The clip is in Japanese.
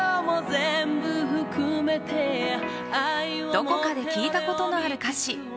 どこかで聴いたことのある歌詞。